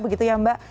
begitu ya mbak